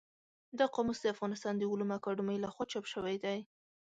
دا قاموس د افغانستان د علومو اکاډمۍ له خوا چاپ شوی دی.